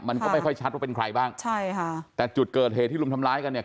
มันก็ไม่ค่อยชัดว่าเป็นใครบ้างใช่ค่ะแต่จุดเกิดเหตุที่ลุมทำร้ายกันเนี่ย